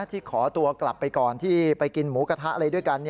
ที่ขอตัวกลับไปก่อนที่ไปกินหมูกระทะอะไรด้วยกัน